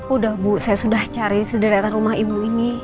udah bu saya sudah cari sederetan rumah ibu ini